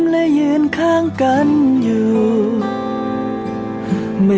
แล้วไป